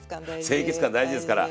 清潔感大事ですから。